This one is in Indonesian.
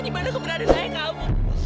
di mana keberadaan ayah kamu